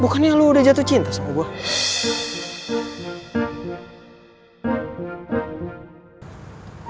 bukannya lu udah jatuh cinta sama gue